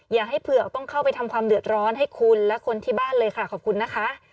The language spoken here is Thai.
อย่าให้เผือกต้องเข้าไปทำความเดือดร้อนให้คุณและคนที่บ้านเลยค่ะขอบคุณนะคะ